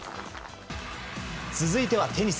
続いてはテニス。